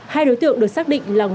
hai đối tượng được xác định là nguyễn